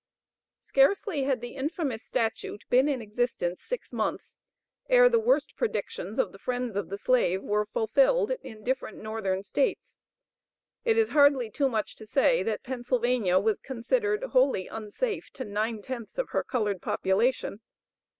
Scarcely had the infamous statute been in existence six months, ere the worst predictions of the friends of the slave were fulfilled in different Northern States. It is hardly too much to say, that Pennsylvania was considered wholly unsafe to nine tenths of her colored population.